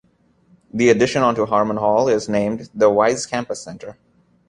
The addition onto Harmon Hall is named the Wise Campus Center.